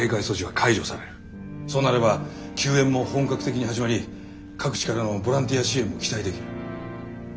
そうなれば救援も本格的に始まり各地からのボランティア支援も期待できる。